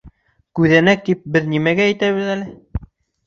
— Күҙәнәк тип беҙ нимәгә әйтәбеҙ әле?